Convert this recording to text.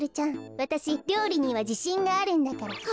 わたしりょうりにはじしんがあるんだから。